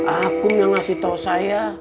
aku yang ngasih tahu saya